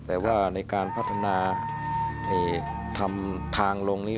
แต่ว่าในการพัฒนาทำทางลงนี้